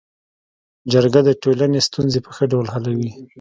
جرګه د ټولني ستونزي په ښه ډول حلوي.